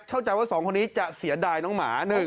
เข้าใจว่า๒คนนี้จะเสียดายน้องหมา